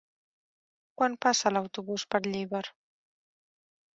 Quan passa l'autobús per Llíber?